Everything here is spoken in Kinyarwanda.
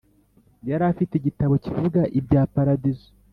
Yari afite igitabo kivuga ibya paradizo